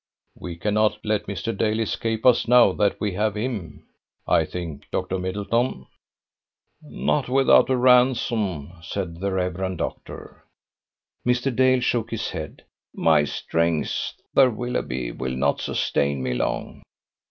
"We cannot let Mr. Dale escape us now that we have him, I think, Dr. Middleton." "Not without ransom," said the Rev. Doctor. Mr. Dale shook his head. "My strength, Sir Willoughby, will not sustain me long."